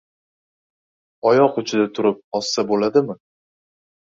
Oyoq uchida turib ozsa bo‘ladimi?